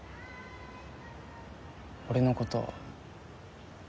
俺のこと。